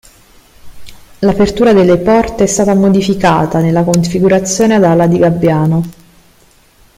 L'apertura delle porte è stata modificata nella configurazione ad ala di gabbiano.